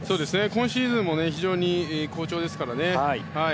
今シーズンも非常に好調ですからね。